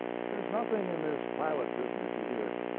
There s nothing in this pilot business either.